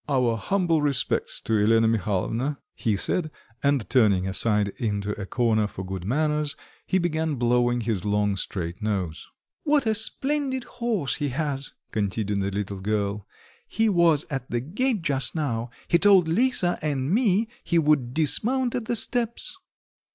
"Our humble respects to Elena Mihalovna," he said, and turning aside into a corner for good manners, he began blowing his long straight nose. "What a splendid horse he has!" continued the little girl. "He was at the gate just now, he told Lisa and me he would dismount at the steps."